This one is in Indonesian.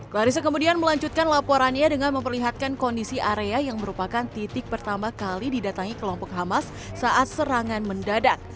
clarissa kemudian melanjutkan laporannya dengan memperlihatkan kondisi area yang merupakan titik pertama kali didatangi kelompok hamas saat serangan mendadak